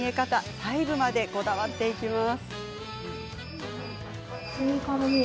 細部までこだわっていきます。